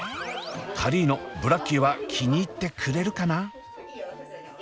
カリーノブラッキーは気に入ってくれるかな？